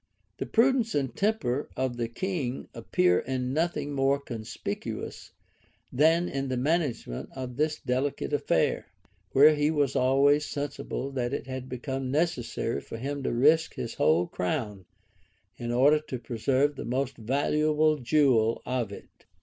The prudence and temper of the king appear in nothing more conspicuous than in the management of this delicate affair; where he was always sensible that it had become necessary for him to risk his whole crown, in order to preserve the most invaluable jewel of it.